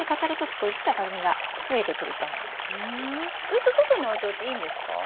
ずっと外に置いといていいんですか？